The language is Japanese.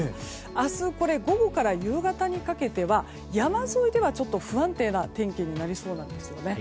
明日午後から夕方にかけては山沿いでは、不安定な天気になりそうなんですよね。